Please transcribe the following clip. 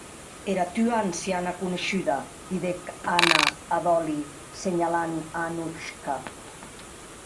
Era tua anciana coneishuda, didec Anna a Dolly, senhalant a Anuchka.